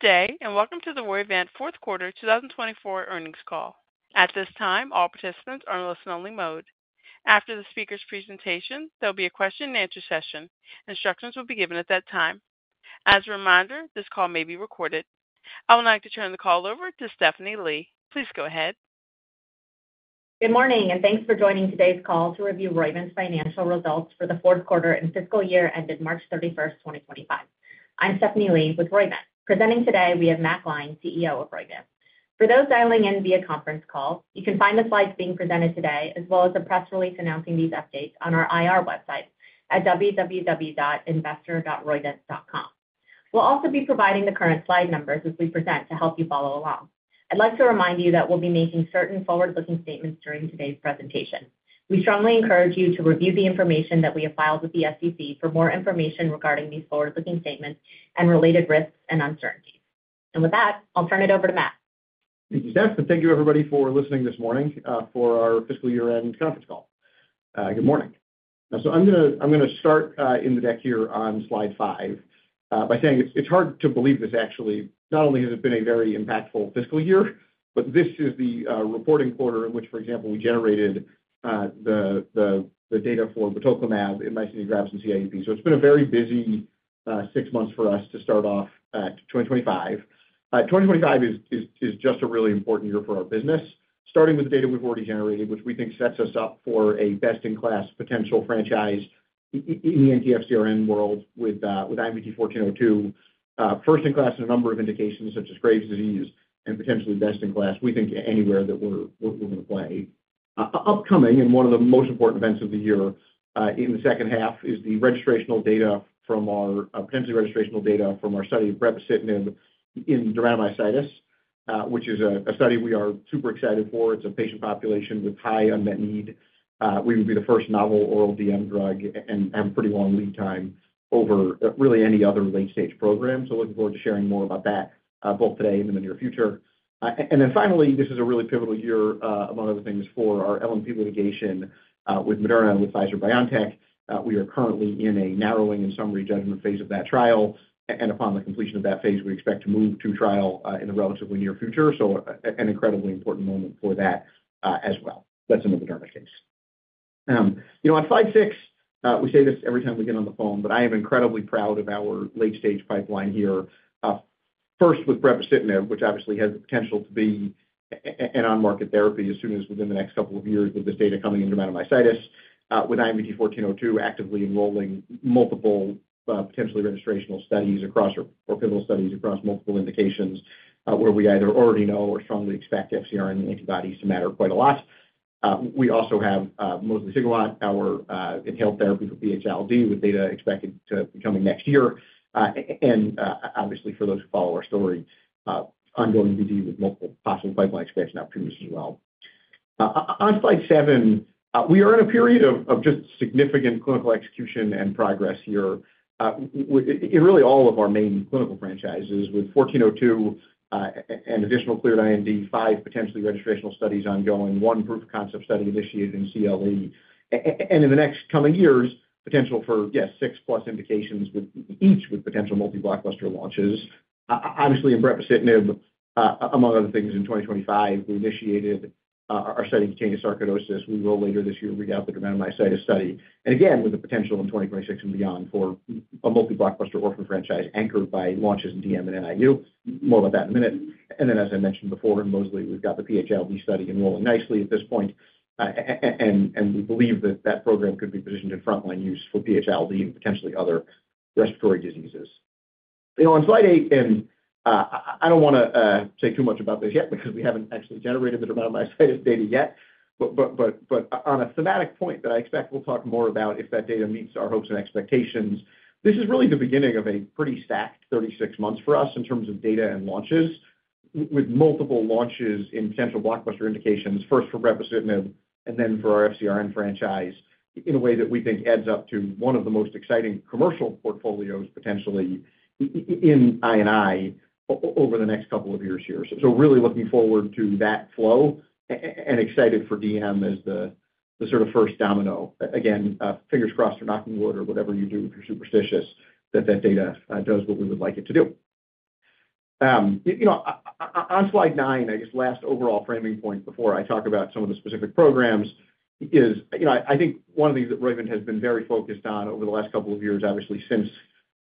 Good day, and welcome to the Roivant Fourth Quarter 2024 earnings call. At this time, all participants are in listen-only mode. After the speaker's presentation, there will be a question-and-answer session. Instructions will be given at that time. As a reminder, this call may be recorded. I would like to turn the call over to Stephanie Lee. Please go ahead. Good morning, and thanks for joining today's call to review Roivant's financial results for the fourth quarter and fiscal year ended March 31st 2025. I'm Stephanie Lee with Roivant. Presenting today, we have Matt Gline, CEO of Roivant. For those dialing in via conference call, you can find the slides being presented today, as well as a press release announcing these updates on our IR website at www.investor.roivant.com. We will also be providing the current slide numbers as we present to help you follow along. I would like to remind you that we will be making certain forward-looking statements during today's presentation. We strongly encourage you to review the information that we have filed with the SEC for more information regarding these forward-looking statements and related risks and uncertainties. With that, I will turn it over to Matt. Thank you, Steph. Thank you, everybody, for listening this morning for our fiscal year-end conference call. Good morning. I'm going to start in the deck here on slide five by saying it's hard to believe this actually. Not only has it been a very impactful fiscal year, but this is the reporting quarter in which, for example, we generated the data for the token lab in my citagrab and CIDP. It's been a very busy six months for us to start off at 2025. 2025 is just a really important year for our business, starting with the data we've already generated, which we think sets us up for a best-in-class potential franchise in the anti-FcRn world with IMVT-1402, first in class in a number of indications such as Graves' disease and potentially best in class. We think anywhere that we're going to play. Upcoming, and one of the most important events of the year in the second half, is the potentially registrational data from our study of brepocitinib in dermatomyositis, which is a study we are super excited for. It's a patient population with high unmet need. We would be the first novel oral DM drug and have pretty long lead time over really any other late-stage program. Looking forward to sharing more about that both today and in the near future. Finally, this is a really pivotal year, among other things, for our LNP litigation with Moderna with Pfizer-BioNTech. We are currently in a narrowing and summary judgment phase of that trial. Upon the completion of that phase, we expect to move to trial in the relatively near future. An incredibly important moment for that as well. That's in the Moderna case. On slide six, we say this every time we get on the phone, but I am incredibly proud of our late-stage pipeline here. First, with brepocitinib, which obviously has the potential to be an on-market therapy as soon as within the next couple of years with this data coming in dermatomyositis, with IMVT-1402 actively enrolling multiple potentially registrational studies or pivotal studies across multiple indications where we either already know or strongly expect FcRn antibodies to matter quite a lot. We also have mosliciguat, our inhaled therapy for PH-ILD with data expected to be coming next year. Obviously, for those who follow our story, ongoing BD with multiple possible pipeline expansion opportunities as well. On slide seven, we are in a period of just significant clinical execution and progress here in really all of our main clinical franchises with 1402 and additional cleared IND, five potentially registrational studies ongoing, one proof of concept study initiated in CLE. In the next coming years, potential for, yes, six-plus indications with each with potential multi-blockbuster launches. Obviously, in brepocitinib, among other things, in 2025, we initiated our study of cutaneous sarcoidosis. We will later this year read out the dermatomyositis study. Again, with the potential in 2026 and beyond for a multi-blockbuster orphan franchise anchored by launches in DM and NIU. More about that in a minute. As I mentioned before, in mosliciguat, we have got the PHLD study enrolling nicely at this point. We believe that that program could be positioned in frontline use for PHLD and potentially other respiratory diseases. On slide eight, and I don't want to say too much about this yet because we haven't actually generated the dermatomyositis data yet, but on a thematic point that I expect we'll talk more about if that data meets our hopes and expectations, this is really the beginning of a pretty stacked 36 months for us in terms of data and launches with multiple launches in potential blockbuster indications, first for brepocitinib and then for our FcRn franchise in a way that we think adds up to one of the most exciting commercial portfolios potentially in INI over the next couple of years here. Really looking forward to that flow and excited for DM as the sort of first domino. Again, fingers crossed or knocking wood or whatever you do if you're superstitious that that data does what we would like it to do. On slide nine, I guess last overall framing point before I talk about some of the specific programs is I think one of the things that Roivant has been very focused on over the last couple of years, obviously since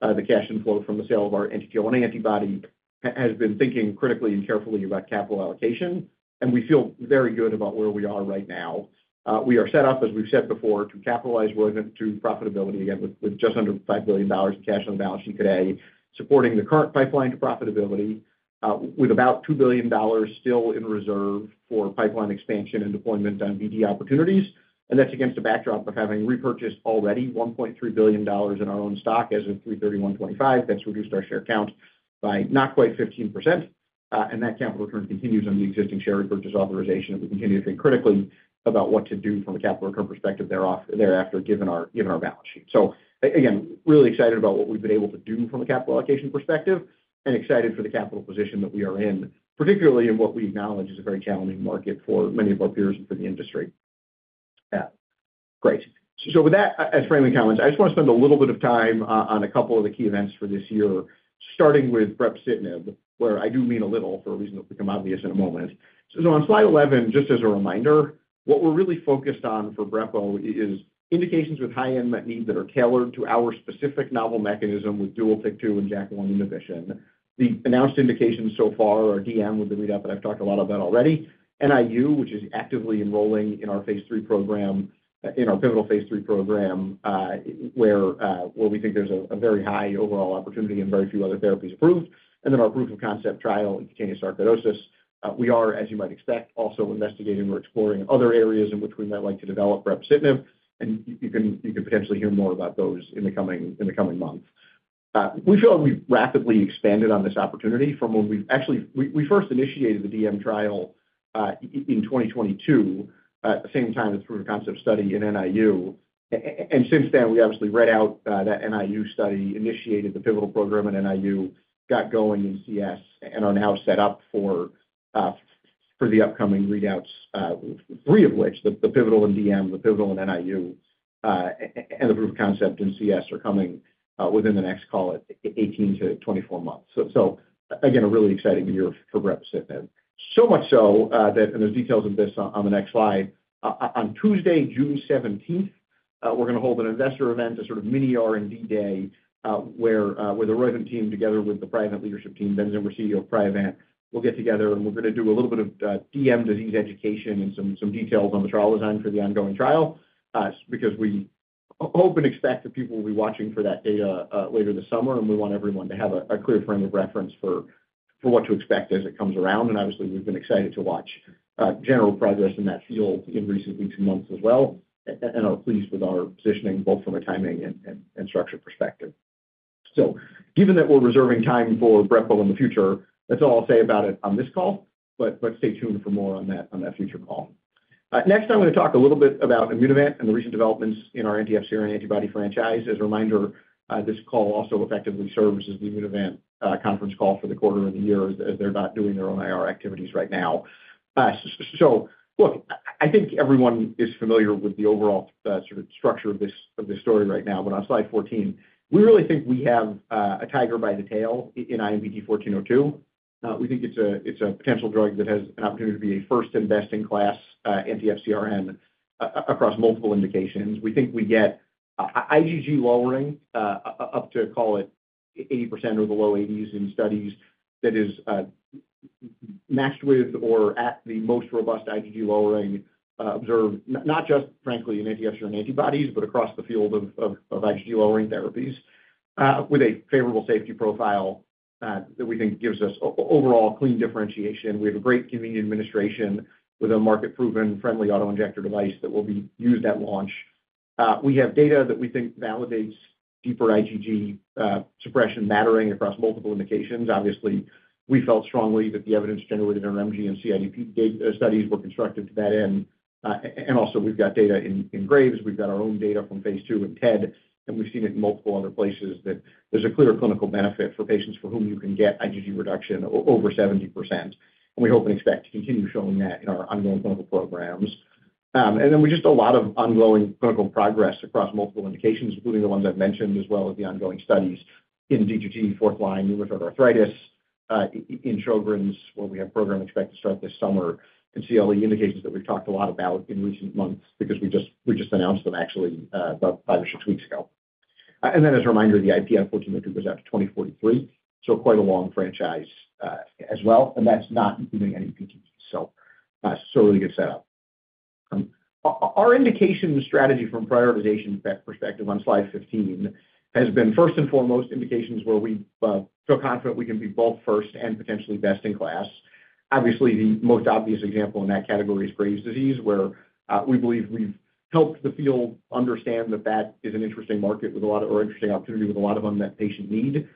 the cash inflow from the sale of our NTTL antibody, has been thinking critically and carefully about capital allocation. We feel very good about where we are right now. We are set up, as we've said before, to capitalize Roivant to profitability, again, with just under $5 billion in cash on the balance sheet today, supporting the current pipeline to profitability with about $2 billion still in reserve for pipeline expansion and deployment on VD opportunities. That's against a backdrop of having repurchased already $1.3 billion in our own stock as of 3/31/2025. That's reduced our share count by not quite 15%. That capital return continues on the existing share repurchase authorization that we continue to think critically about what to do from a capital return perspective thereafter given our balance sheet. Again, really excited about what we've been able to do from a capital allocation perspective and excited for the capital position that we are in, particularly in what we acknowledge is a very challenging market for many of our peers and for the industry. Great. With that as framing comments, I just want to spend a little bit of time on a couple of the key events for this year, starting with brepocitinib, where I do mean a little for a reason that will become obvious in a moment. On slide 11, just as a reminder, what we're really focused on for brepocitinib is indications with high unmet need that are tailored to our specific novel mechanism with dual TYK2 and JAK1 inhibition. The announced indications so far are DM with the readout that I've talked a lot about already, NIU, which is actively enrolling in our phase three program, in our pivotal phase three program where we think there's a very high overall opportunity and very few other therapies approved. Then our proof of concept trial in cutaneous sarcoidosis. We are, as you might expect, also investigating or exploring other areas in which we might like to develop brepocitinib. You can potentially hear more about those in the coming months. We feel like we've rapidly expanded on this opportunity from when we actually first initiated the DM trial in 2022 at the same time as proof of concept study in NIU. Since then, we obviously read out that NIU study, initiated the pivotal program in NIU, got going in CS, and are now set up for the upcoming readouts, three of which, the pivotal in DM, the pivotal in NIU, and the proof of concept in CS, are coming within the next, call it, 18-24 months. Again, a really exciting year for brepocitinib. So much so that, and there are details of this on the next slide. On Tuesday, June 17, we're going to hold an investor event, a sort of mini R&D day where the Roivant team together with the Priovant leadership team, Ben Zimmer, CEO of Priovant, will get together. We're going to do a little bit of DM disease education and some details on the trial design for the ongoing trial because we hope and expect that people will be watching for that data later this summer. We want everyone to have a clear frame of reference for what to expect as it comes around. Obviously, we've been excited to watch general progress in that field in recent weeks and months as well and are pleased with our positioning both from a timing and structure perspective. Given that we're reserving time for brepocitinib in the future, that's all I'll say about it on this call. Stay tuned for more on that future call. Next, I'm going to talk a little bit about Immunovant and the recent developments in our anti-FcRn antibody franchise. As a reminder, this call also effectively serves as the Immunovant conference call for the quarter of the year as they're not doing their own IR activities right now. I think everyone is familiar with the overall sort of structure of this story right now. On slide 14, we really think we have a tiger by the tail in IMVT-1402. We think it's a potential drug that has an opportunity to be a first and best in class anti-FcRn across multiple indications. We think we get IgG lowering up to, call it, 80% or the low 80s in studies that is matched with or at the most robust IgG lowering observed, not just, frankly, in anti-FcRn antibodies, but across the field of IgG lowering therapies with a favorable safety profile that we think gives us overall clean differentiation. We have a great convenient administration with a market-proven friendly autoinjector device that will be used at launch. We have data that we think validates deeper IgG suppression mattering across multiple indications. Obviously, we felt strongly that the evidence generated in our MG and CIDP studies were constructed to that end. We have got data in Graves. We have got our own data from phase two and TED. We have seen it in multiple other places that there is a clear clinical benefit for patients for whom you can get IgG reduction over 70%. We hope and expect to continue showing that in our ongoing clinical programs. We just have a lot of ongoing clinical progress across multiple indications, including the ones I've mentioned, as well as the ongoing studies in D2T, fourth-line rheumatoid arthritis, in Sjogren's, where we have a program expected to start this summer in CLE indications that we've talked a lot about in recent months because we just announced them actually about five or six weeks ago. As a reminder, the IMVT-1402 goes out to 2043. Quite a long franchise as well. That is not including any PTEs. Really good setup. Our indication strategy from a prioritization perspective on slide 15 has been first and foremost indications where we feel confident we can be both first and potentially best in class. Obviously, the most obvious example in that category is Graves' disease, where we believe we've helped the field understand that that is an interesting market with a lot of or interesting opportunity with a lot of unmet patient need.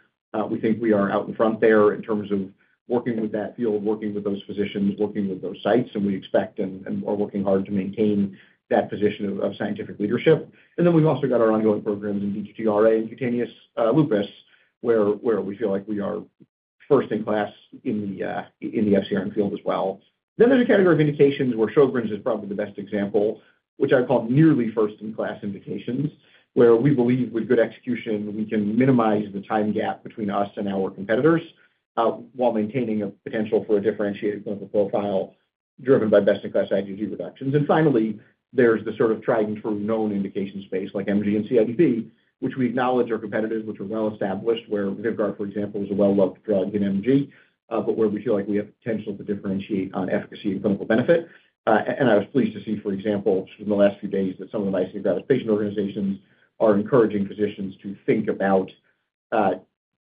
We think we are out in front there in terms of working with that field, working with those physicians, working with those sites. We expect and are working hard to maintain that position of scientific leadership. We have also got our ongoing programs in D2T RA and cutaneous lupus, where we feel like we are first in class in the FcRn field as well. There is a category of indications where Sjogren's is probably the best example, which I call nearly first-in-class indications, where we believe with good execution, we can minimize the time gap between us and our competitors while maintaining a potential for a differentiated clinical profile driven by best-in-class IgG reductions. Finally, there is the sort of tried-and-true known indication space like MG and CIDP, which we acknowledge our competitors, which are well-established, where Vyvgart, for example, is a well-loved drug in MG, but where we feel like we have potential to differentiate on efficacy and clinical benefit. I was pleased to see, for example, in the last few days that some of the myasthenia gravis patient organizations are encouraging physicians to think about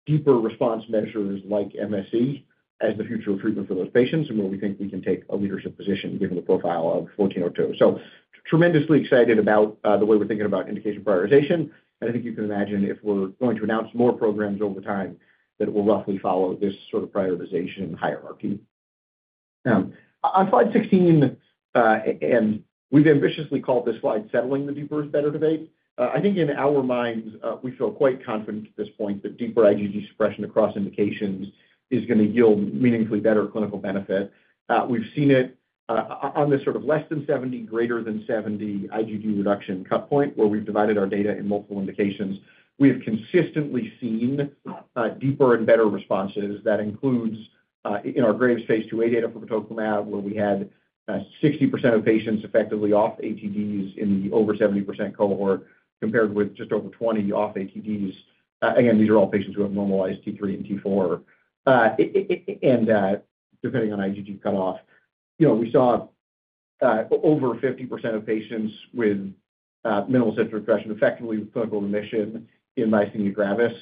deeper response measures like MSE as the future of treatment for those patients and where we think we can take a leadership position given the profile of 1402. I am tremendously excited about the way we're thinking about indication prioritization. I think you can imagine if we're going to announce more programs over time that will roughly follow this sort of prioritization hierarchy. On slide 16, we've ambitiously called this slide settling the deeper is better debate. I think in our minds, we feel quite confident at this point that deeper IgG suppression across indications is going to yield meaningfully better clinical benefit. We've seen it on this sort of less than 70%, greater than 70% IgG reduction cut point where we've divided our data in multiple indications. We have consistently seen deeper and better responses. That includes in our Graves phase IIa data for protocol now, where we had 60% of patients effectively off ATDs in the over 70% cohort compared with just over 20% off ATDs. Again, these are all patients who have normalized T3 and T4. Depending on IgG cutoff, we saw over 50% of patients with minimal symptom expression effectively with clinical remission in myasthenia gravis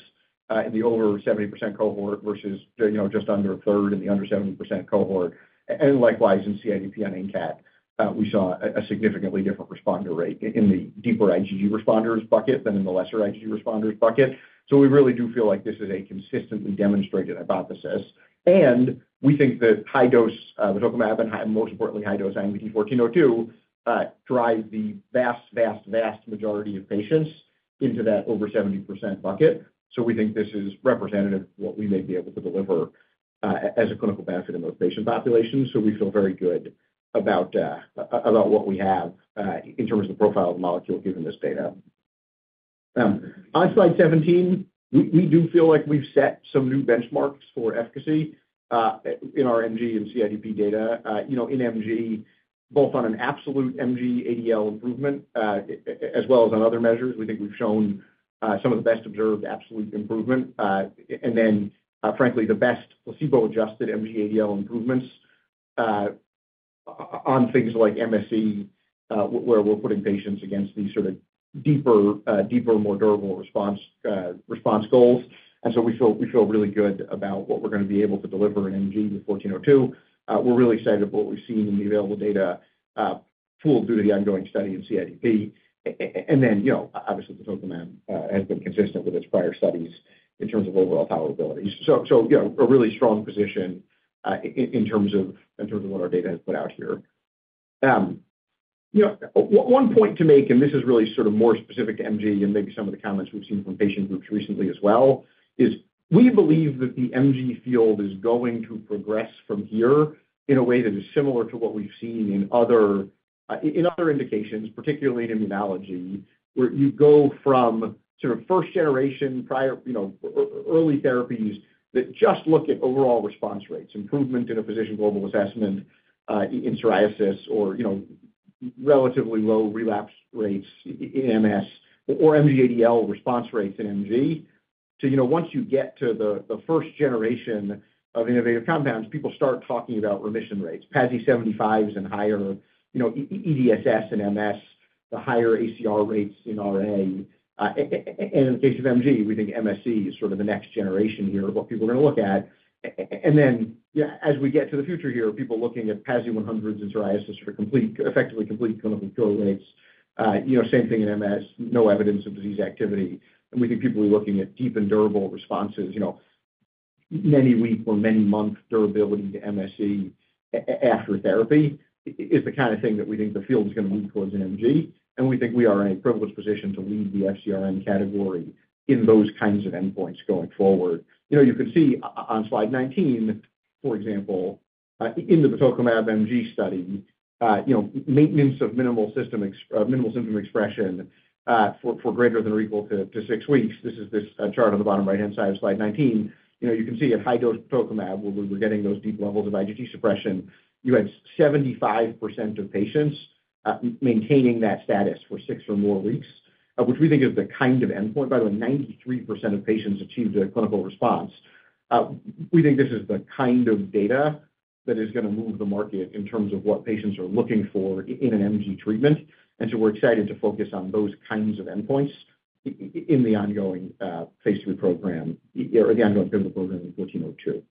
in the over 70% cohort versus just under a third in the under 70% cohort. Likewise, in CIDP on INCAT, we saw a significantly different responder rate in the deeper IgG responders bucket than in the lesser IgG responders bucket. We really do feel like this is a consistently demonstrated hypothesis. We think that high-dose metoclopramide and, most importantly, high-dose IMVT-1402 drive the vast, vast, vast majority of patients into that over 70% bucket. We think this is representative of what we may be able to deliver as a clinical benefit in those patient populations. We feel very good about what we have in terms of the profile of the molecule given this data. On slide 17, we do feel like we've set some new benchmarks for efficacy in our MG and CIDP data. In MG, both on an absolute MG-ADL improvement as well as on other measures, we think we've shown some of the best observed absolute improvement. Frankly, the best placebo-adjusted MG-ADL improvements on things like MSE, where we're putting patients against these sort of deeper, more durable response goals. We feel really good about what we're going to be able to deliver in MG with 1402. We're really excited about what we've seen in the available data pooled due to the ongoing study in CIDP. Obviously, the protocol has been consistent with its prior studies in terms of overall tolerability. A really strong position in terms of what our data has put out here. One point to make, and this is really sort of more specific to MG and maybe some of the comments we've seen from patient groups recently as well, is we believe that the MG field is going to progress from here in a way that is similar to what we've seen in other indications, particularly in immunology, where you go from sort of first-generation early therapies that just look at overall response rates, improvement in a physician global assessment in psoriasis or relatively low relapse rates in MS or MG ADL response rates in MG to once you get to the first generation of innovative compounds, people start talking about remission rates, PASI 75s and higher, EDSS in MS, the higher ACR rates in RA. In the case of MG, we think MSE is sort of the next generation here of what people are going to look at. As we get to the future here, people looking at PASI 100s in psoriasis for effectively complete clinical cure rates, same thing in MS, no evidence of disease activity. We think people will be looking at deep and durable responses, many-week or many-month durability to MSE after therapy is the kind of thing that we think the field is going to lead towards in MG. We think we are in a privileged position to lead the FcRn category in those kinds of endpoints going forward. You can see on slide 19, for example, in the protocol MG study, maintenance of minimal symptom expression for greater than or equal to six weeks. This is this chart on the bottom right-hand side of slide 19. You can see at high-dose protocol where we were getting those deep levels of IgG suppression, you had 75% of patients maintaining that status for six or more weeks, which we think is the kind of endpoint. By the way, 93% of patients achieved a clinical response. We think this is the kind of data that is going to move the market in terms of what patients are looking for in an MG treatment. We are excited to focus on those kinds of endpoints in the ongoing phase three program or the ongoing clinical program in 1402.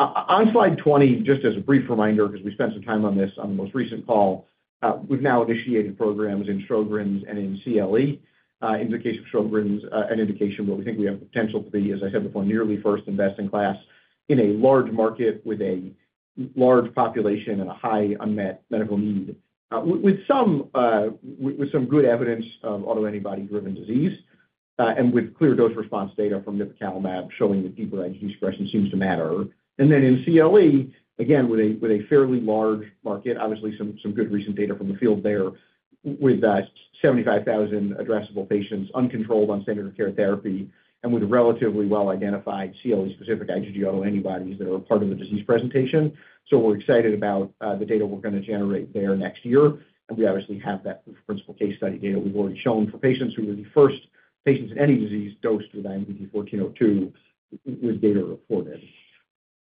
On slide 20, just as a brief reminder, because we spent some time on this on the most recent call, we have now initiated programs in Sjogren's and in CLE. In the case of Sjogren's, an indication where we think we have the potential to be, as I said before, nearly first and best in class in a large market with a large population and a high unmet medical need, with some good evidence of autoantibody-driven disease and with clear dose response data from Nipocalimab showing that deeper IgG suppression seems to matter. In CLE, again, with a fairly large market, obviously some good recent data from the field there with 75,000 addressable patients uncontrolled on standard of care therapy and with relatively well-identified CLE-specific IgG autoantibodies that are a part of the disease presentation. We are excited about the data we are going to generate there next year. We obviously have that principal case study data we have already shown for patients who were the first patients in any disease dosed with IMVT-1402 with data reported.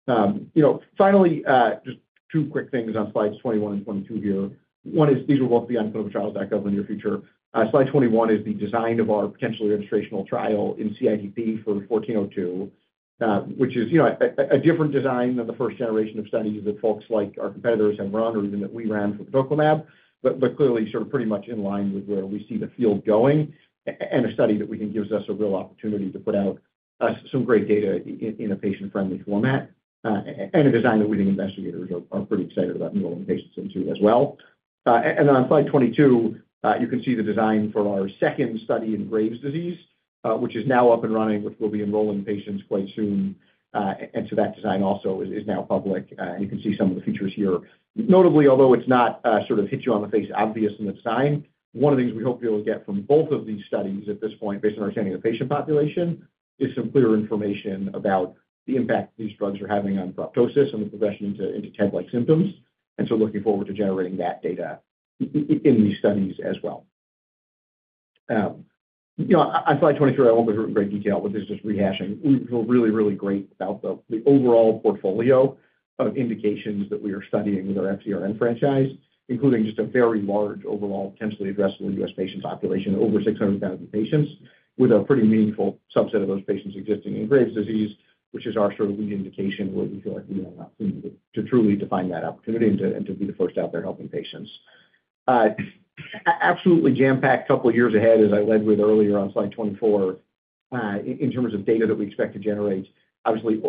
Finally, just two quick things on slides 21 and 22 here. One is these will both be on clinicaltrials.gov in the near future. Slide 21 is the design of our potential registrational trial in CIDP for 1402, which is a different design than the first generation of studies that folks like our competitors have run or even that we ran for protocol lab, but clearly sort of pretty much in line with where we see the field going and a study that we think gives us a real opportunity to put out some great data in a patient-friendly format and a design that we think investigators are pretty excited about enrolling patients into as well. On slide 22, you can see the design for our second study in Graves' disease, which is now up and running, which will be enrolling patients quite soon. That design also is now public. You can see some of the features here. Notably, although it is not sort of hit you on the face obvious in the design, one of the things we hope we will get from both of these studies at this point, based on our understanding of the patient population, is some clear information about the impact these drugs are having on proptosis and the progression into TED-like symptoms. Looking forward to generating that data in these studies as well. On slide 23, I will not go through it in great detail, but this is just rehashing. We feel really, really great about the overall portfolio of indications that we are studying with our FcRn franchise, including just a very large overall potentially addressable US patient population, over 600,000 patients, with a pretty meaningful subset of those patients existing in Graves' disease, which is our sort of lead indication where we feel like we are about to truly define that opportunity and to be the first out there helping patients. Absolutely jam-packed a couple of years ahead, as I led with earlier on slide 24, in terms of data that we expect to generate, obviously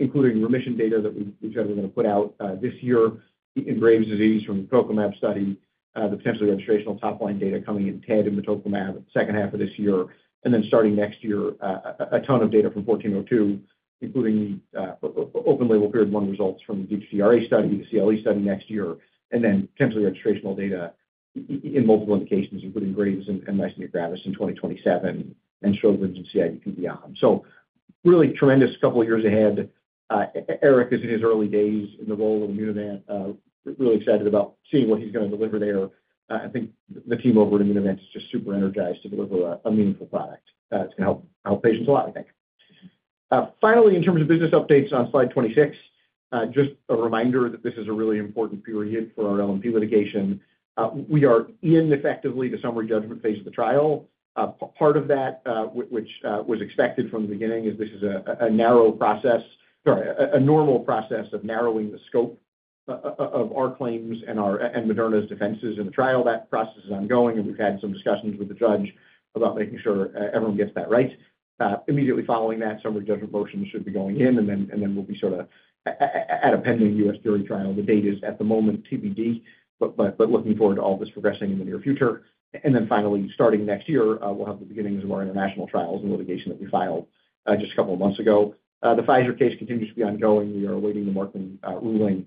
including remission data that we said we're going to put out this year in Graves' disease from the protocol map study, the potentially registrational top-line data coming in TED and batoclimab second half of this year. Then starting next year, a ton of data from 1402, including the open label period one results from the D2T RA study, the CLE study next year, and then potentially registrational data in multiple indications, including Graves' and myasthenia gravis in 2027, and Sjogren's and CIDP beyond. Really tremendous couple of years ahead. Eric is in his early days in the role of Immunovant. Really excited about seeing what he's going to deliver there. I think the team over at Immunovant is just super energized to deliver a meaningful product that's going to help patients a lot, I think. Finally, in terms of business updates on slide 26, just a reminder that this is a really important period for our LNP litigation. We are in effectively the summary judgment phase of the trial. Part of that, which was expected from the beginning, is this is a normal process of narrowing the scope of our claims and Moderna's defenses in the trial. That process is ongoing. We have had some discussions with the judge about making sure everyone gets that right. Immediately following that, summary judgment motions should be going in. We will be sort of at a pending U.S. jury trial. The date is at the moment TBD, but looking forward to all this progressing in the near future. Finally, starting next year, we will have the beginnings of our international trials and litigation that we filed just a couple of months ago. The Pfizer case continues to be ongoing. We are awaiting the Markman ruling,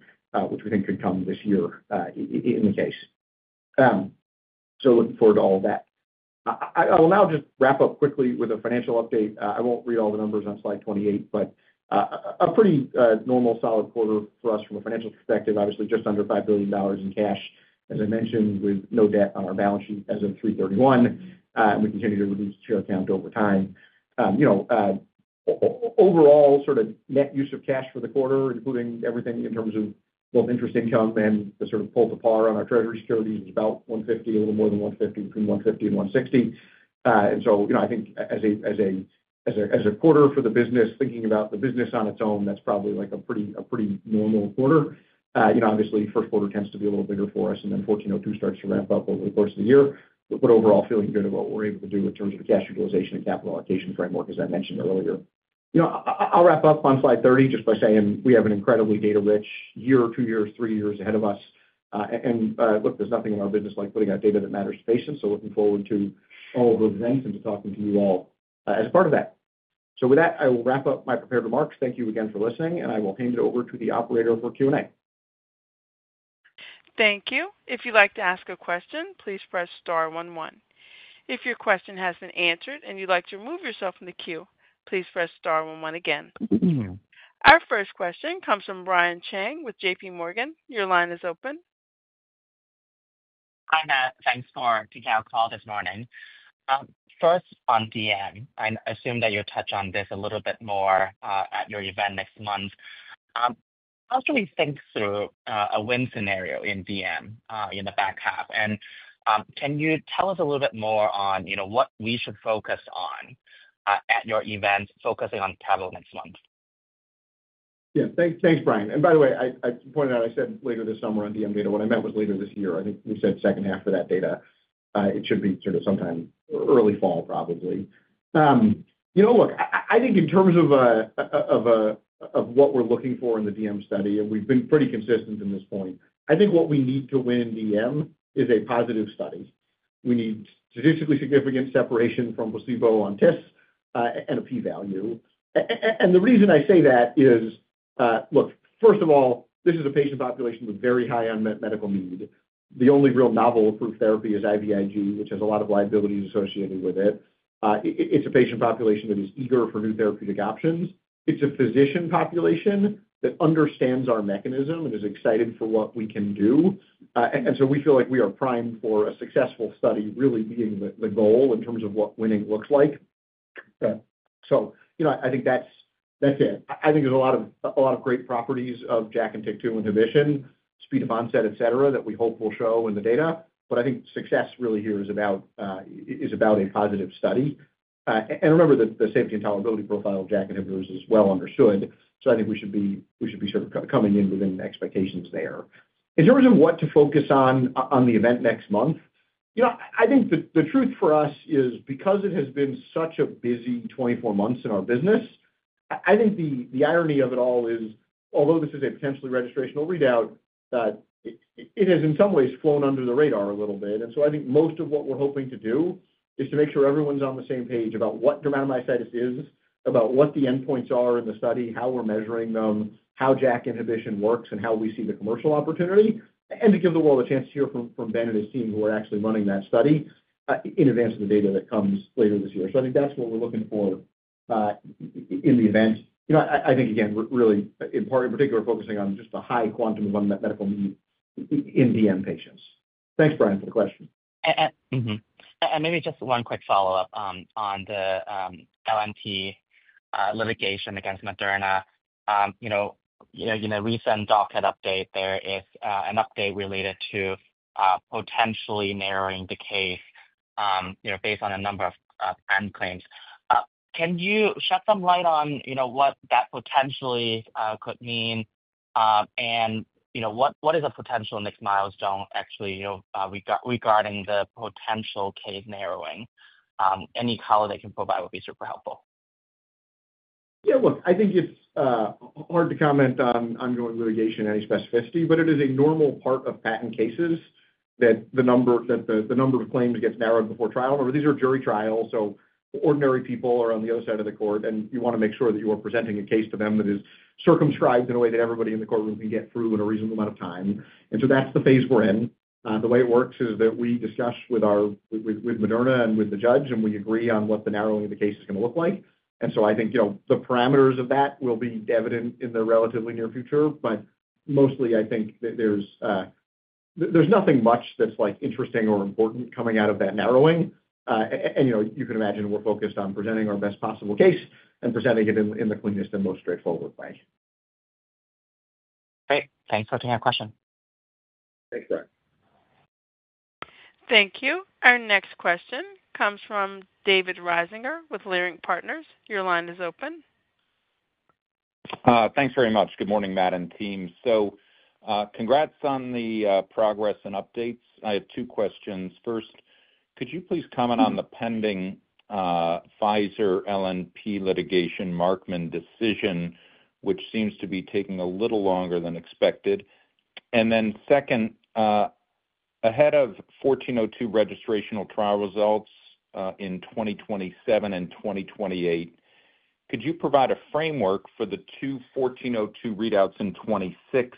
which we think could come this year in the case. Looking forward to all of that. I will now just wrap up quickly with a financial update. I will not read all the numbers on slide 28, but a pretty normal solid quarter for us from a financial perspective, obviously just under $5 billion in cash, as I mentioned, with no debt on our balance sheet as of March 31, 2024. We continue to reduce the share count over time. Overall, sort of net use of cash for the quarter, including everything in terms of both interest income and the sort of pull to par on our treasury securities, is about $150 million, a little more than $150 million, between $150 million and $160 million. I think as a quarter for the business, thinking about the business on its own, that is probably like a pretty normal quarter. Obviously, first quarter tends to be a little bigger for us, and then 1402 starts to ramp up over the course of the year, but overall feeling good about what we're able to do in terms of cash utilization and capital allocation framework, as I mentioned earlier. I'll wrap up on slide 30 just by saying we have an incredibly data-rich year, two years, three years ahead of us. Look, there's nothing in our business like putting out data that matters to patients. Looking forward to all of the events and to talking to you all as part of that. With that, I will wrap up my prepared remarks. Thank you again for listening. I will hand it over to the operator for Q&A. Thank you. If you'd like to ask a question, please press star one one. If your question has been answered and you'd like to remove yourself from the queue, please press star one one again. Our first question comes from Brian Cheng with JPMorgan. Your line is open. Hi, Matt. Thanks for taking our call this morning. First, on DM. I assume that you'll touch on this a little bit more at your event next month. How should we think through a win scenario in DM in the back half? Can you tell us a little bit more on what we should focus on at your event, focusing on travel next month? Yeah. Thanks, Brian. By the way, I pointed out I said later this summer on DM data, what I meant was later this year. I think we said second half of that data. It should be sort of sometime early fall, probably. Look, I think in terms of what we're looking for in the DM study, and we've been pretty consistent in this point, I think what we need to win in DM is a positive study. We need statistically significant separation from placebo on TISS and a p-value. The reason I say that is, look, first of all, this is a patient population with very high unmet medical need. The only real novel approved therapy is IVIG, which has a lot of liabilities associated with it. It's a patient population that is eager for new therapeutic options. It's a physician population that understands our mechanism and is excited for what we can do. We feel like we are primed for a successful study, really being the goal in terms of what winning looks like. I think that's it. I think there's a lot of great properties of JAK and TYK2 inhibition, speed of onset, etc., that we hope will show in the data. I think success really here is about a positive study. Remember that the safety and tolerability profile of JAK inhibitors is well understood. I think we should be sort of coming in within expectations there. In terms of what to focus on on the event next month, I think the truth for us is because it has been such a busy 24 months in our business, I think the irony of it all is, although this is a potentially registrational readout, it has in some ways flown under the radar a little bit. I think most of what we're hoping to do is to make sure everyone's on the same page about what dermatomyositis is, about what the endpoints are in the study, how we're measuring them, how JAK inhibition works, and how we see the commercial opportunity, and to give the world a chance to hear from Ben and his team who are actually running that study in advance of the data that comes later this year. I think that's what we're looking for in the event. I think, again, really in particular focusing on just the high quantum of unmet medical need in DM patients. Thanks, Brian, for the question. Maybe just one quick follow-up on the LNP litigation against Moderna. In a recent docket update, there is an update related to potentially narrowing the case based on a number of planned claims. Can you shed some light on what that potentially could mean? What is a potential next milestone actually regarding the potential case narrowing? Any color they can provide would be super helpful. Yeah. Look, I think it's hard to comment on ongoing litigation and any specificity, but it is a normal part of patent cases that the number of claims gets narrowed before trial. Remember, these are jury trials. Ordinary people are on the other side of the court, and you want to make sure that you are presenting a case to them that is circumscribed in a way that everybody in the courtroom can get through in a reasonable amount of time. That is the phase we're in. The way it works is that we discuss with Moderna and with the judge, and we agree on what the narrowing of the case is going to look like. I think the parameters of that will be evident in the relatively near future. Mostly, I think there's nothing much that's interesting or important coming out of that narrowing. You can imagine we're focused on presenting our best possible case and presenting it in the cleanest and most straightforward way. Great. Thanks for taking our question. Thanks, Brian. Thank you. Our next question comes from David Risinger with Leerink Partners. Your line is open. Thanks very much. Good morning, Matt and team. Congrats on the progress and updates. I have two questions. First, could you please comment on the pending Pfizer LNP litigation Markman decision, which seems to be taking a little longer than expected? Second, ahead of 1402 registrational trial results in 2027 and 2028, could you provide a framework for the two 1402 readouts in 2026,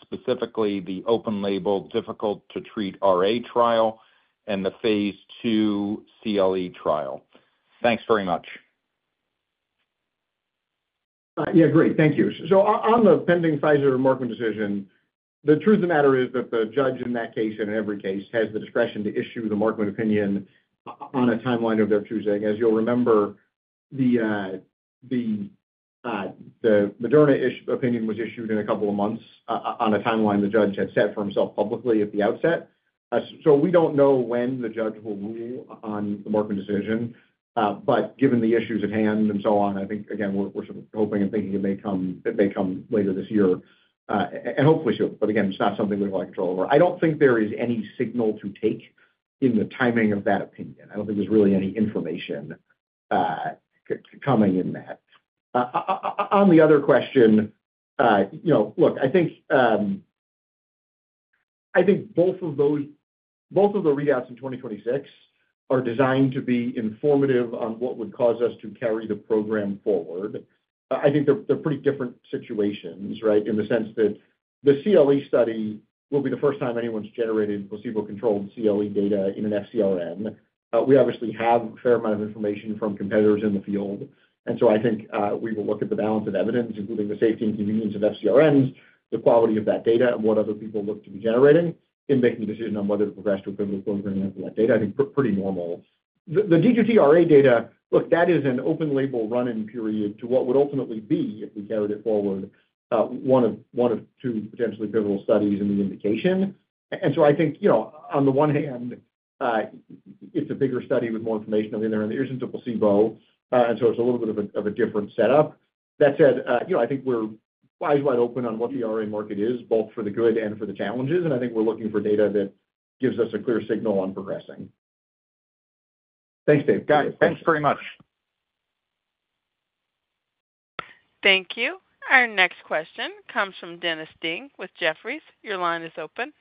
specifically the open label difficult-to-treat RA trial and the phase two CLE trial? Thanks very much. Yeah. Great. Thank you. On the pending Pfizer Markman decision, the truth of the matter is that the judge in that case, in every case, has the discretion to issue the Markman opinion on a timeline of their choosing. As you'll remember, the Moderna opinion was issued in a couple of months on a timeline the judge had set for himself publicly at the outset. We do not know when the judge will rule on the Markman decision. Given the issues at hand and so on, I think, again, we're sort of hoping and thinking it may come later this year. Hopefully soon. Again, it's not something we have a lot of control over. I do not think there is any signal to take in the timing of that opinion. I do not think there's really any information coming in that. On the other question, look, I think both of those readouts in 2026 are designed to be informative on what would cause us to carry the program forward. I think they're pretty different situations, right, in the sense that the CLE study will be the first time anyone's generated placebo-controlled CLE data in an FcRn. We obviously have a fair amount of information from competitors in the field. I think we will look at the balance of evidence, including the safety and convenience of FcRns, the quality of that data, and what other people look to be generating in making a decision on whether to progress to a pivotal program after that data. I think pretty normal. The D2T RA data, look, that is an open label run-in period to what would ultimately be, if we carried it forward, one of two potentially pivotal studies in the indication. I think on the one hand, it's a bigger study with more information. On the other hand, there isn't a placebo, and so it's a little bit of a different setup. That said, I think we're eyes wide open on what the RA market is, both for the good and for the challenges. I think we're looking for data that gives us a clear signal on progressing. Thanks, Dave. Thanks very much. Thank you. Our next question comes from Dennis Ding with Jefferies. Your line is open.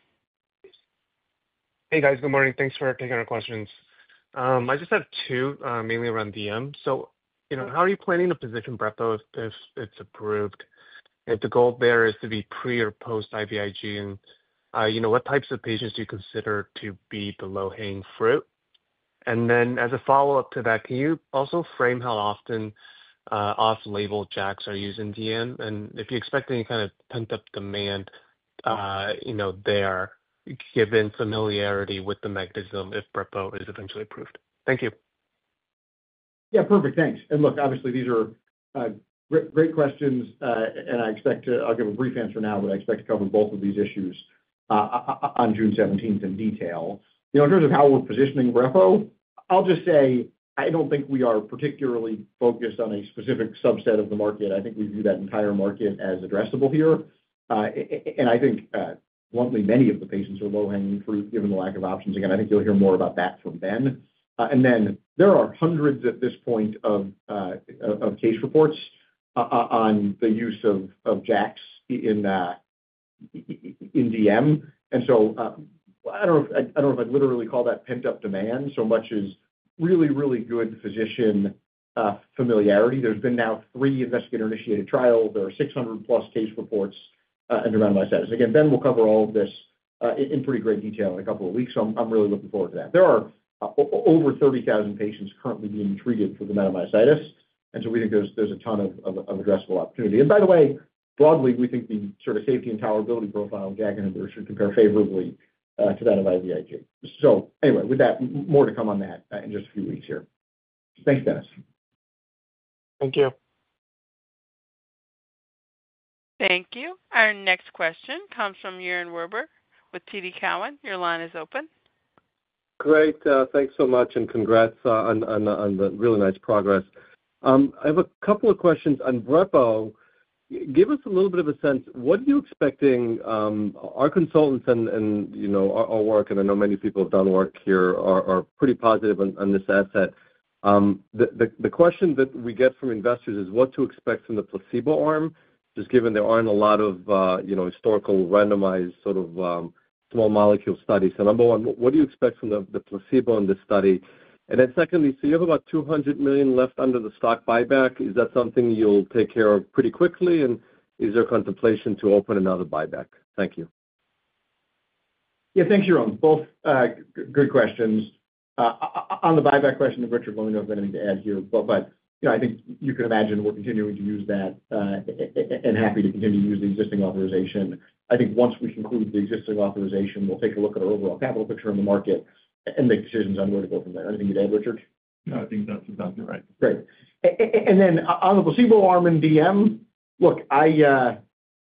Hey, guys. Good morning. Thanks for taking our questions. I just have two, mainly around DM. How are you planning to position brepocitinib if it's approved? Is the goal there to be pre or post IVIG, and what types of patients do you consider to be low hanging fruit? As a follow-up to that, can you also frame how often off-label JAKs are used in DM? Do you expect any kind of pent-up demand there, given familiarity with the mechanism if brepocitinib is eventually approved? Thank you. Yeah. Perfect. Thanks. Look, obviously, these are great questions. I'll give a brief answer now, but I expect to cover both of these issues on June 17th in detail. In terms of how we're positioning brepocitinib, I'll just say I don't think we are particularly focused on a specific subset of the market. I think we view that entire market as addressable here. I think, bluntly, many of the patients are low-hanging fruit given the lack of options. Again, I think you'll hear more about that from Ben. There are hundreds at this point of case reports on the use of JAKs in DM. I don't know if I'd literally call that pent-up demand so much as really, really good physician familiarity. There's been now three investigator-initiated trials. There are 600-plus case reports in dermatomyositis. Again, Ben will cover all of this in pretty great detail in a couple of weeks. I am really looking forward to that. There are over 30,000 patients currently being treated for dermatomyositis. We think there is a ton of addressable opportunity. By the way, broadly, we think the sort of safety and tolerability profile of JAK inhibitors should compare favorably to that of IVIG. Anyway, more to come on that in just a few weeks here. Thanks, Dennis. Thank you. Thank you. Our next question comes from Yaron Weber with TD Cowen. Your line is open. Great. Thanks so much. Congrats on the really nice progress. I have a couple of questions on brepocitinib. Give us a little bit of a sense. What are you expecting? Our consultants and our work, and I know many people have done work here, are pretty positive on this asset. The question that we get from investors is what to expect from the placebo arm, just given there aren't a lot of historical randomized sort of small molecule studies. Number one, what do you expect from the placebo in this study? Secondly, you have about $200 million left under the stock buyback. Is that something you'll take care of pretty quickly? Is there contemplation to open another buyback? Thank you. Yeah. Thanks, Jerome. Both good questions. On the buyback question, Richard will know if there's anything to add here. I think you can imagine we're continuing to use that and happy to continue to use the existing authorization. I think once we conclude the existing authorization, we'll take a look at our overall capital picture in the market and make decisions on where to go from there. Anything to add, Richard? No, I think that's exactly right. Great. On the placebo arm in DM, look, I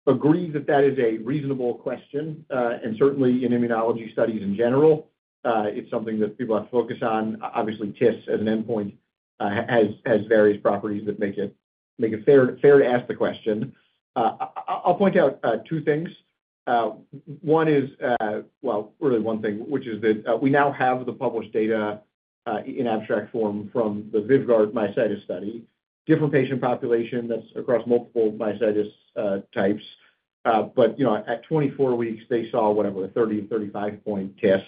agree that that is a reasonable question. Certainly in immunology studies in general, it's something that people have to focus on. Obviously, TISS as an endpoint has various properties that make it fair to ask the question. I'll point out two things. One is, well, really one thing, which is that we now have the published data in abstract form from the Vyvgart myositis study. Different patient population that's across multiple myositis types. At 24 weeks, they saw whatever, 30 and 35-point TISS.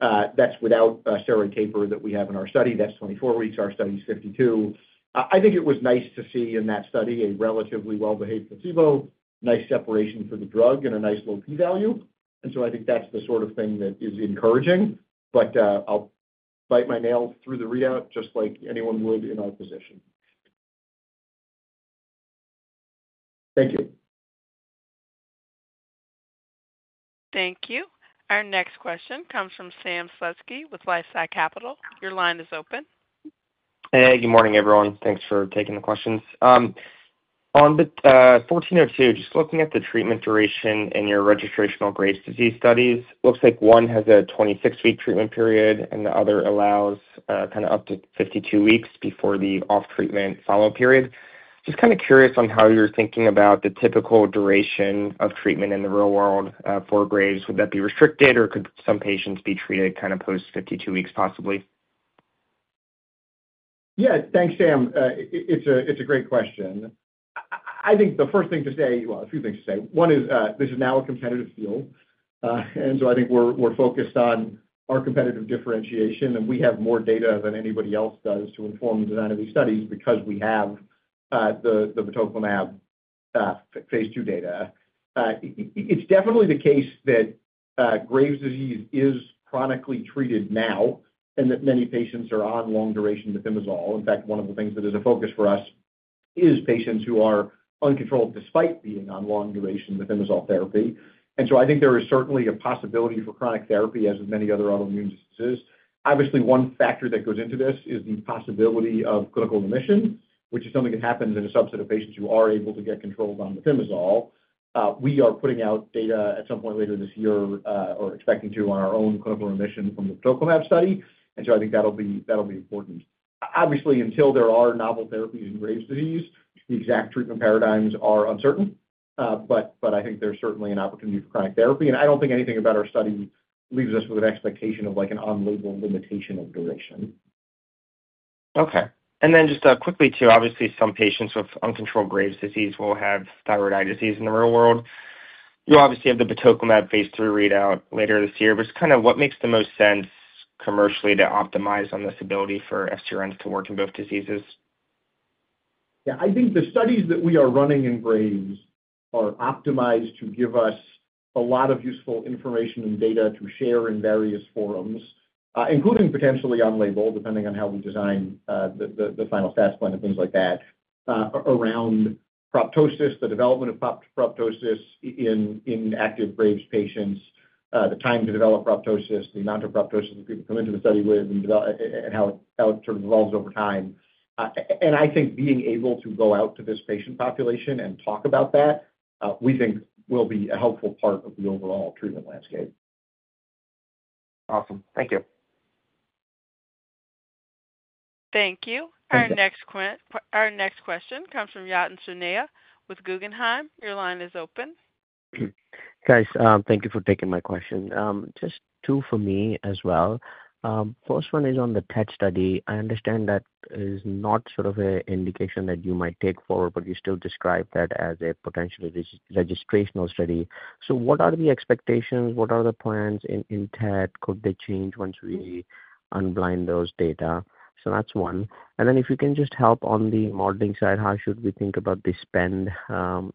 That's without a steroid taper that we have in our study. That's 24 weeks. Our study is 52. I think it was nice to see in that study a relatively well-behaved placebo, nice separation for the drug, and a nice low p-value. I think that's the sort of thing that is encouraging. I'll bite my nails through the readout just like anyone would in our position. Thank you. Thank you. Our next question comes from Sam Slutsky with LifeSci Capital. Your line is open. Hey, good morning, everyone. Thanks for taking the questions. On 1402, just looking at the treatment duration in your registrational Graves' disease studies, looks like one has a 26-week treatment period and the other allows kind of up to 52 weeks before the off-treatment follow-up period. Just kind of curious on how you're thinking about the typical duration of treatment in the real world for Graves. Would that be restricted, or could some patients be treated kind of post 52 weeks possibly? Yeah. Thanks, Sam. It's a great question. I think the first thing to say, well, a few things to say. One is this is now a competitive field. I think we're focused on our competitive differentiation. We have more data than anybody else does to inform the design of these studies because we have the batoclimab phase two data. It's definitely the case that Graves' disease is chronically treated now and that many patients are on long-duration methimazole. In fact, one of the things that is a focus for us is patients who are uncontrolled despite being on long-duration methimazole therapy. I think there is certainly a possibility for chronic therapy as with many other autoimmune diseases. Obviously, one factor that goes into this is the possibility of clinical remission, which is something that happens in a subset of patients who are able to get controlled on methimazole. We are putting out data at some point later this year or expecting to on our own clinical remission from the batoclimab study. I think that'll be important. Obviously, until there are novel therapies in Graves' disease, the exact treatment paradigms are uncertain. I think there's certainly an opportunity for chronic therapy. I don't think anything about our study leaves us with an expectation of an on-label limitation of duration. Okay. And then just quickly too, obviously, some patients with uncontrolled Graves' disease will have thyroiditis in the real world. You obviously have the batoclimab phase three readout later this year. What makes the most sense commercially to optimize on this ability for FcRNs to work in both diseases? Yeah. I think the studies that we are running in Graves are optimized to give us a lot of useful information and data to share in various forums, including potentially on-label, depending on how we design the final stats plan and things like that, around proptosis, the development of proptosis in active Graves' patients, the time to develop proptosis, the amount of proptosis that people come into the study with, and how it sort of evolves over time. I think being able to go out to this patient population and talk about that, we think will be a helpful part of the overall treatment landscape. Awesome. Thank you. Thank you. Our next question comes from Yatin Suneja with Guggenheim. Your line is open. Guys, thank you for taking my question. Just two for me as well. First one is on the TET study. I understand that is not sort of an indication that you might take forward, but you still describe that as a potentially registrational study. What are the expectations? What are the plans in TET? Could they change once we unblind those data? That is one. If you can just help on the modeling side, how should we think about the spend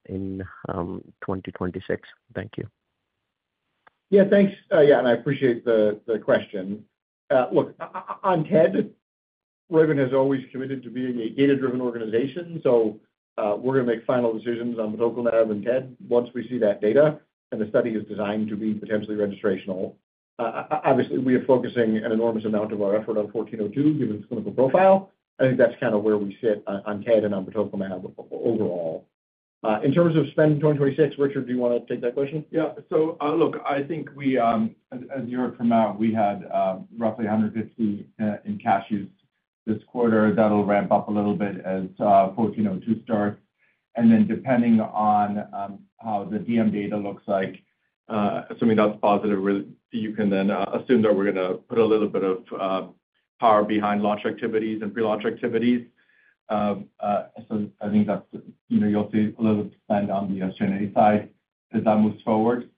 in 2026? Thank you. Yeah. Thanks. Yeah. I appreciate the question. Look, on TED, Roivant has always committed to being a data-driven organization. We are going to make final decisions on batoclimab and TED once we see that data. The study is designed to be potentially registrational. Obviously, we are focusing an enormous amount of our effort on 1402 given its clinical profile. I think that's kind of where we sit on TED and on batoclimab overall. In terms of spend in 2026, Richard, do you want to take that question? Yeah. So look, I think as you heard from Matt, we had roughly $150 million in cash use this quarter. That'll ramp up a little bit as 1402 starts. And then depending on how the DM data looks like, assuming that's positive, you can then assume that we're going to put a little bit of power behind launch activities and pre-launch activities. I think you'll see a little bit of spend on the SG&A side as that moves forward,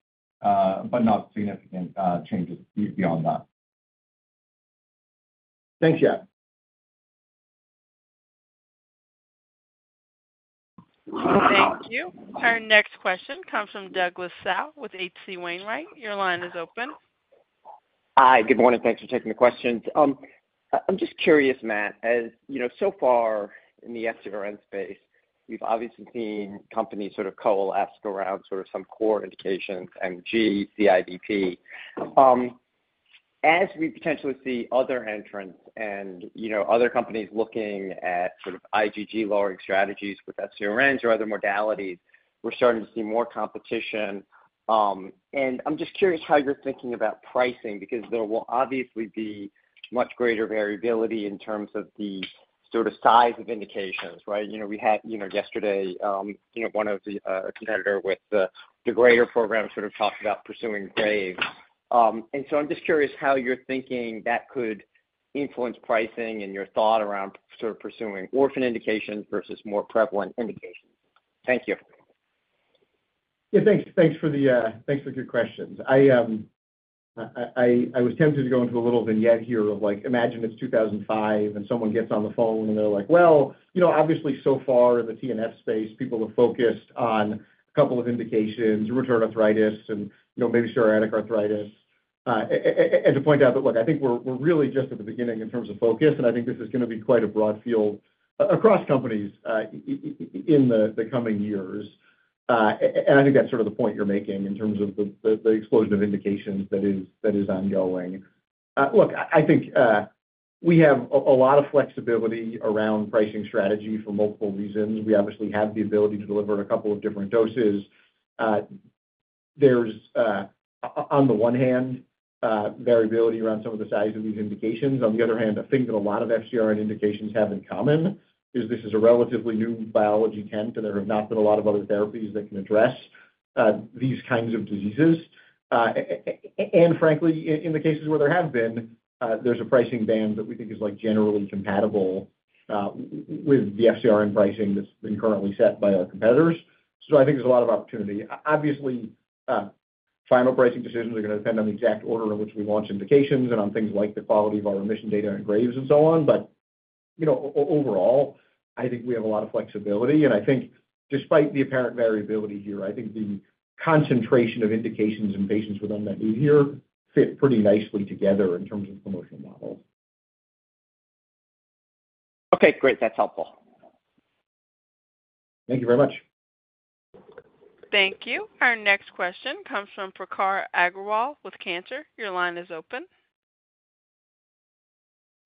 but not significant changes beyond that. Thanks, yeah. Thank you. Our next question comes from Douglas Tsao with H.C. Wainwright. Your line is open. Hi. Good morning. Thanks for taking the questions. I'm just curious, Matt, as so far in the FcRn space, we've obviously seen companies sort of coalesce around sort of some core indications, MG, CIDP. As we potentially see other entrants and other companies looking at sort of IgG lowering strategies with FcRns or other modalities, we're starting to see more competition. I'm just curious how you're thinking about pricing because there will obviously be much greater variability in terms of the sort of size of indications, right? We had yesterday one of the competitors with the Greater program sort of talked about pursuing Graves. I'm just curious how you're thinking that could influence pricing and your thought around sort of pursuing orphan indications versus more prevalent indications. Thank you. Yeah. Thanks for the good questions. I was tempted to go into a little vignette here of imagine it's 2005 and someone gets on the phone and they're like, "Well, obviously so far in the TNF space, people have focused on a couple of indications, rheumatoid arthritis and maybe psoriatic arthritis." To point out that, look, I think we're really just at the beginning in terms of focus. I think this is going to be quite a broad field across companies in the coming years. I think that's sort of the point you're making in terms of the explosion of indications that is ongoing. Look, I think we have a lot of flexibility around pricing strategy for multiple reasons. We obviously have the ability to deliver a couple of different doses. There's, on the one hand, variability around some of the size of these indications. On the other hand, a thing that a lot of FcRn indications have in common is this is a relatively new biology tent, and there have not been a lot of other therapies that can address these kinds of diseases. Frankly, in the cases where there have been, there's a pricing band that we think is generally compatible with the FcRn pricing that's been currently set by our competitors. I think there's a lot of opportunity. Obviously, final pricing decisions are going to depend on the exact order in which we launch indications and on things like the quality of our remission data in Graves and so on. Overall, I think we have a lot of flexibility. I think despite the apparent variability here, the concentration of indications in patients with unmet need here fit pretty nicely together in terms of the promotional models. Okay. Great. That's helpful. Thank you very much. Thank you. Our next question comes from Prakhar Agrawal with Cantor. Your line is open.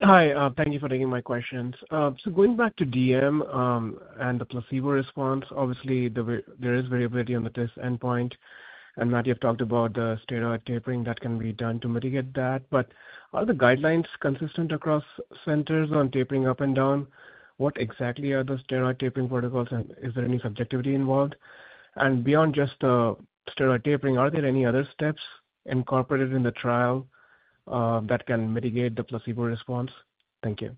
Hi. Thank you for taking my questions. Going back to DM and the placebo response, obviously, there is variability on the TISS endpoint. Matt, you've talked about the steroid tapering that can be done to mitigate that. Are the guidelines consistent across centers on tapering up and down? What exactly are the steroid tapering protocols, and is there any subjectivity involved? Beyond just the steroid tapering, are there any other steps incorporated in the trial that can mitigate the placebo response? Thank you.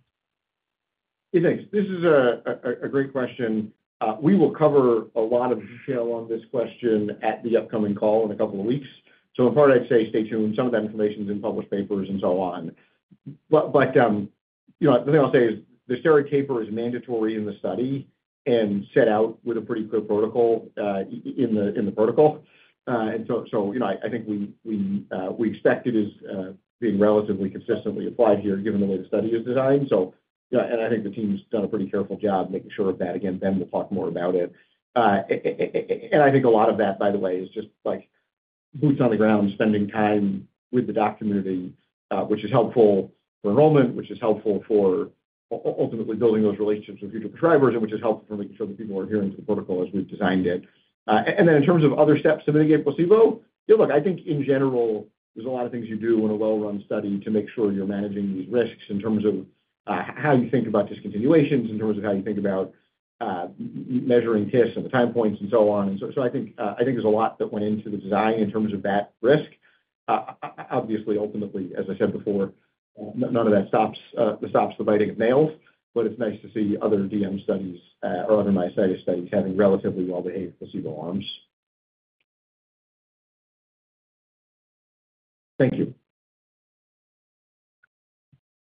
Yeah. Thanks. This is a great question. We will cover a lot of detail on this question at the upcoming call in a couple of weeks. In part, I'd say stay tuned. Some of that information is in published papers and so on. The thing I'll say is the steroid taper is mandatory in the study and set out with a pretty clear protocol in the protocol. I think we expect it as being relatively consistently applied here given the way the study is designed. I think the team's done a pretty careful job making sure of that. Again, Ben will talk more about it. I think a lot of that, by the way, is just boots on the ground, spending time with the doc community, which is helpful for enrollment, which is helpful for ultimately building those relationships with future prescribers, and which is helpful for making sure that people are adhering to the protocol as we have designed it. In terms of other steps to mitigate placebo, look, I think in general, there are a lot of things you do in a well-run study to make sure you are managing these risks in terms of how you think about discontinuations, in terms of how you think about measuring TISS and the time points and so on. I think there is a lot that went into the design in terms of that risk. Obviously, ultimately, as I said before, none of that stops the biting of nails. It is nice to see other DM studies or other myositis studies having relatively well-behaved placebo arms. Thank you.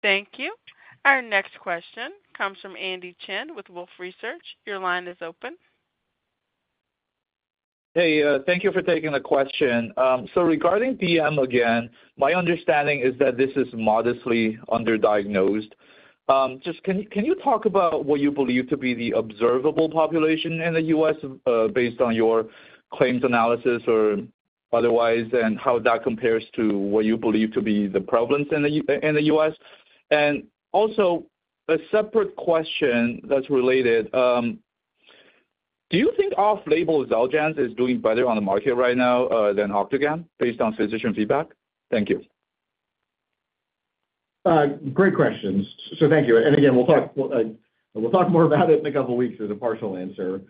Thank you. Our next question comes from Andy Chen with Wolfe Research. Your line is open. Hey, thank you for taking the question. Regarding DM, again, my understanding is that this is modestly underdiagnosed. Just can you talk about what you believe to be the observable population in the U.S. based on your claims analysis or otherwise, and how that compares to what you believe to be the prevalence in the U.S.? Also, a separate question that's related. Do you think off-label Xeljanz is doing better on the market right now than Octagam based on physician feedback? Thank you. Great questions. Thank you. Again, we'll talk more about it in a couple of weeks as a partial answer.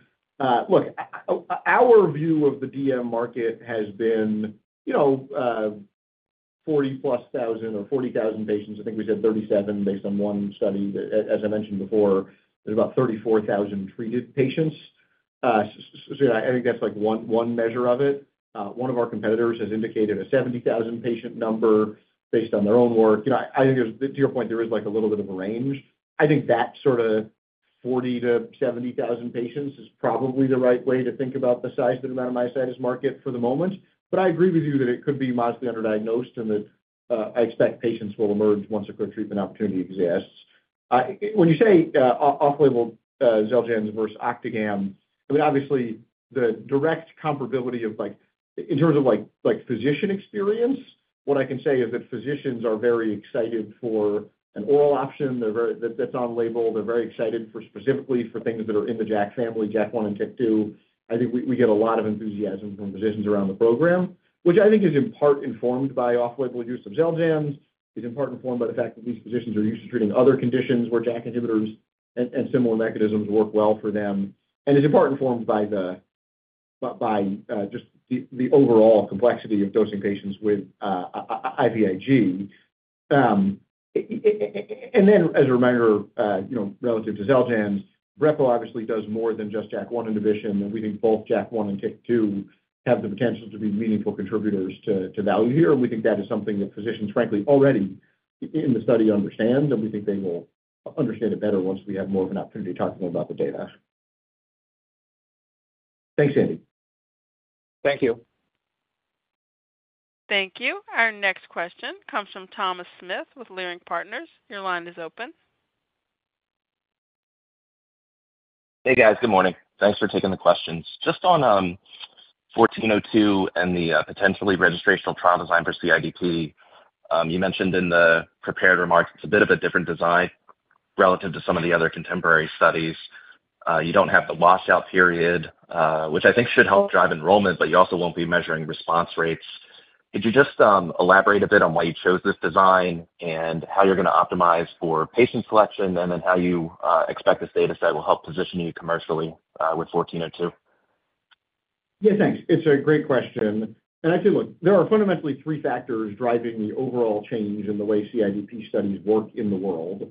Look, our view of the DM market has been 40,000+ or 40,000 patients. I think we said 37,000 based on one study. As I mentioned before, there's about 34,000 treated patients. I think that's one measure of it. One of our competitors has indicated a 70,000 patient number based on their own work. I think to your point, there is a little bit of a range. I think that sort of 40,000-70,000 patients is probably the right way to think about the size of the dermatomyositis market for the moment. I agree with you that it could be modestly underdiagnosed and that I expect patients will emerge once a clear treatment opportunity exists. When you say off-label Xeljanz versus Octagam, I mean, obviously, the direct comparability of in terms of physician experience, what I can say is that physicians are very excited for an oral option that's on label. They're very excited specifically for things that are in the JAK family, JAK1 and JAK2. I think we get a lot of enthusiasm from physicians around the program, which I think is in part informed by off-label use of Xeljanz, is in part informed by the fact that these physicians are used to treating other conditions where JAK inhibitors and similar mechanisms work well for them, and is in part informed by just the overall complexity of dosing patients with IVIG. As a reminder, relative to Xeljanz, brepocitinib obviously does more than just JAK1 inhibition. We think both JAK1 and TYK2 have the potential to be meaningful contributors to value here. We think that is something that physicians, frankly, already in the study understand. We think they will understand it better once we have more of an opportunity to talk more about the data. Thanks, Andy. Thank you. Thank you. Our next question comes from Thomas Smith with Leerink Partners. Your line is open. Hey, guys. Good morning. Thanks for taking the questions. Just on 1402 and the potentially registrational trial design for CIDP, you mentioned in the prepared remarks, it's a bit of a different design relative to some of the other contemporary studies. You don't have the washout period, which I think should help drive enrollment, but you also won't be measuring response rates. Could you just elaborate a bit on why you chose this design and how you're going to optimize for patient selection and then how you expect this data set will help position you commercially with 1402? Yeah. Thanks. It's a great question. Actually, look, there are fundamentally three factors driving the overall change in the way CIDP studies work in the world.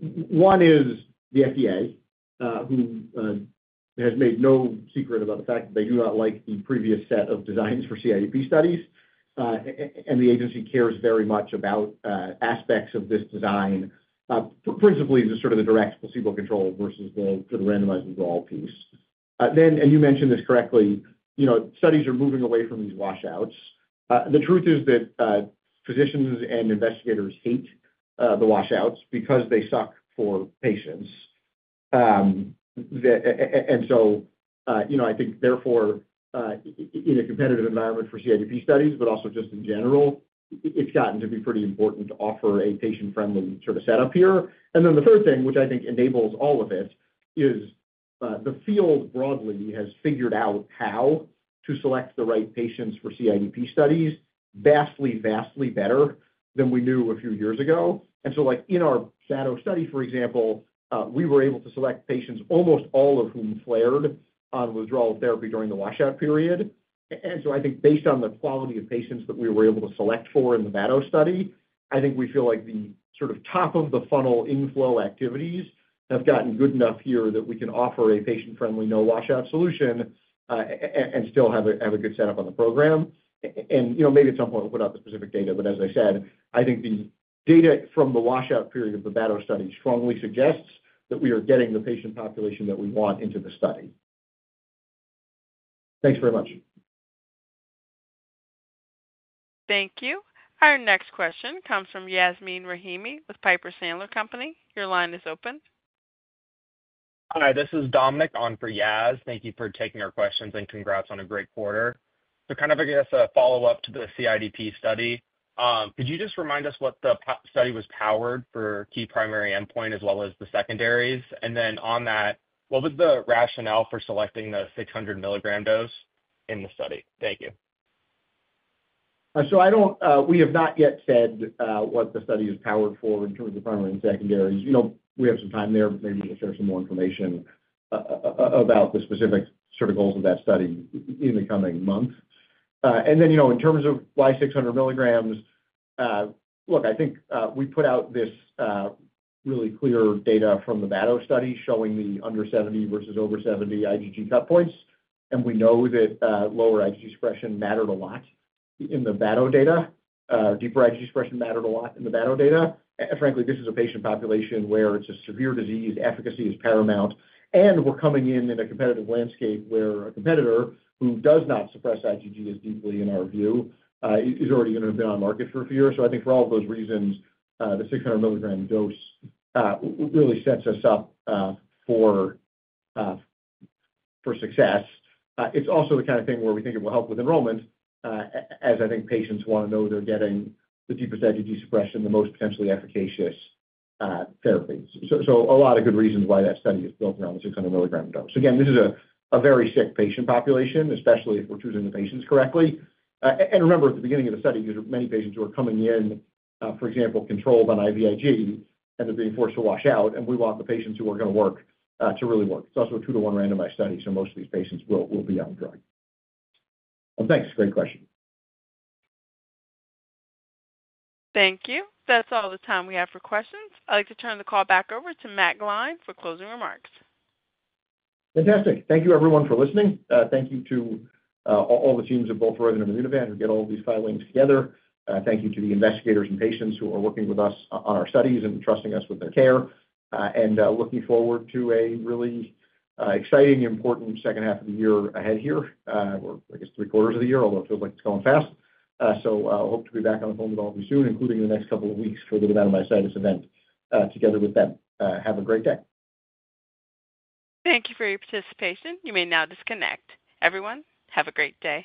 One is the FDA, who has made no secret about the fact that they do not like the previous set of designs for CIDP studies. The agency cares very much about aspects of this design, principally just sort of the direct placebo control versus the randomized withdrawal piece. You mentioned this correctly. Studies are moving away from these washouts. The truth is that physicians and investigators hate the washouts because they suck for patients. I think, therefore, in a competitive environment for CIDP studies, but also just in general, it's gotten to be pretty important to offer a patient-friendly sort of setup here. The third thing, which I think enables all of it, is the field broadly has figured out how to select the right patients for CIDP studies vastly, vastly better than we knew a few years ago. In our shadow study, for example, we were able to select patients, almost all of whom flared on withdrawal therapy during the washout period. I think based on the quality of patients that we were able to select for in the batoclimab study, we feel like the sort of top of the funnel inflow activities have gotten good enough here that we can offer a patient-friendly, no washout solution and still have a good setup on the program. Maybe at some point we'll put out the specific data. As I said, I think the data from the washout period of the batoclimab study strongly suggests that we are getting the patient population that we want into the study. Thanks very much. Thank you. Our next question comes from Yasmeen Rahimi with Piper Sandler. Your line is open. Hi. This is Dominic on for Yasmeen. Thank you for taking our questions and congrats on a great quarter. Kind of, I guess, a follow-up to the CIDP study. Could you just remind us what the study was powered for, key primary endpoint as well as the secondaries? On that, what was the rationale for selecting the 600 milligram dose in the study? Thank you. We have not yet said what the study is powered for in terms of primary and secondaries. We have some time there, but maybe we'll share some more information about the specific sort of goals of that study in the coming months. In terms of why 600 milligrams, look, I think we put out this really clear data from the batoclimab study showing the under 70 versus over 70 IgG cut points. We know that lower IgG suppression mattered a lot in the batoclimab data. Deeper IgG suppression mattered a lot in the batoclimab data. Frankly, this is a patient population where it's a severe disease. Efficacy is paramount. We're coming in in a competitive landscape where a competitor who does not suppress IgG as deeply, in our view, is already going to have been on the market for a few years. I think for all of those reasons, the 600 milligram dose really sets us up for success. It's also the kind of thing where we think it will help with enrollment, as I think patients want to know they're getting the deepest IgG suppression, the most potentially efficacious therapy. A lot of good reasons why that study is built around the 600 milligram dose. Again, this is a very sick patient population, especially if we're choosing the patients correctly. Remember, at the beginning of the study, there were many patients who were coming in, for example, controlled on IVIG, and they're being forced to wash out. We want the patients who are going to work to really work. It's also a two-to-one randomized study, so most of these patients will be on the drug. Thanks. Great question. Thank you. That's all the time we have for questions. I'd like to turn the call back over to Matt Gline for closing remarks. Fantastic. Thank you, everyone, for listening. Thank you to all the teams at both Roivant and Immunovant who get all of these filings together. Thank you to the investigators and patients who are working with us on our studies and entrusting us with their care. I am looking forward to a really exciting, important second half of the year ahead here, or I guess three-quarters of the year, although it feels like it's going fast. I hope to be back on the phone with all of you soon, including in the next couple of weeks for the dermatomyositis event together with them. Have a great day. Thank you for your participation. You may now disconnect. Everyone, have a great day.